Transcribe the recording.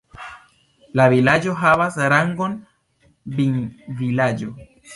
La vilaĝo havas la rangon vinvilaĝo.